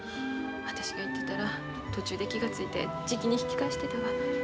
私が行ってたら途中で気が付いてじきに引き返してたわ。